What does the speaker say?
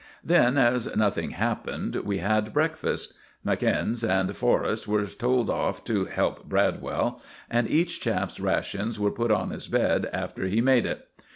Then, as nothing happened, we had breakfast. McInnes and Forrest were told off to help Bradwell, and each chap's rations were put on his bed after he had made it.